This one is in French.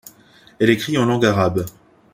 Elle écrit en langue arabe.